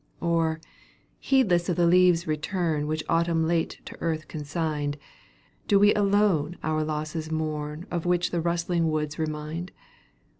Or, heedless of the leaves' return^ Which Autumn late to earth consigned. Do we alone our losses mourn Of which the rustling woods remind